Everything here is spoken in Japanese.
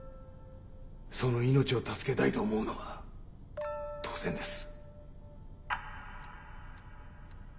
その命を助けたいと思うのは当然です。